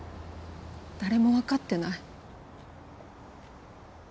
誰もわかってない。